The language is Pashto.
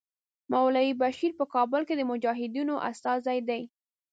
مولوي بشیر په کابل کې د مجاهدینو استازی دی.